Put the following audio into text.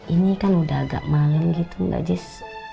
ini kan udah agak malam gitu mbak jis